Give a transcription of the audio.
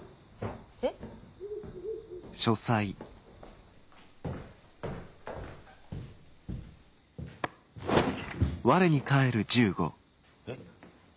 えっ？えっ？